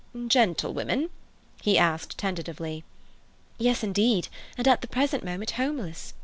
"Gentlewomen?" he asked tentatively. "Yes, indeed, and at the present moment homeless.